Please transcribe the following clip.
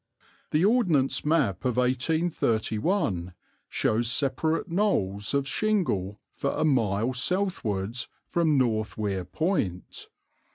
The Ordnance map of 1831 shows separate knolls of shingle for a mile southwards from North Weir Point.